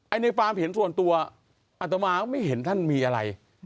ไอ้ในฟาร์มเห็นส่วนตัวอาจจะมาก็ไม่เห็นท่านมีอะไร